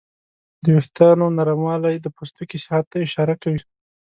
د وېښتیانو نرموالی د پوستکي صحت ته اشاره کوي.